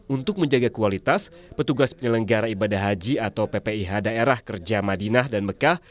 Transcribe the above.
untuk menjaga kualitas petugas penyelenggara ibadah haji atau ppih daerah kerja madinah dan mekah